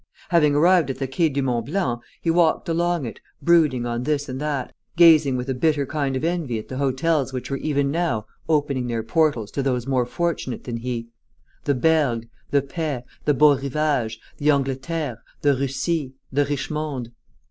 Having arrived at the Quai du Mont Blanc, he walked along it, brooding on this and that, gazing with a bitter kind of envy at the hotels which were even now opening their portals to those more fortunate than he the Bergues, the Paix, the Beau Rivage, the Angleterre, the Russie, the Richemond.